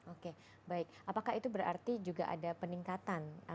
oke baik apakah itu berarti juga ada peningkatan